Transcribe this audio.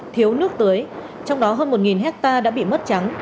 thiếu nước tưới trong đó hơn một hectare đã bị mất trắng